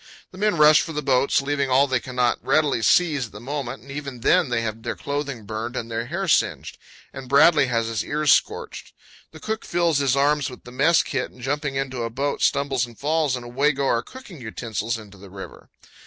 The men rush for the boats, leaving all they cannot readily seize at the moment, and even then they have their clothing burned and hair singed, and Bradley has his ears scorched. The cook fills his arms with the mess kit, and jumping into a boat, stumbles and falls, and away go our cooking utensils into the river.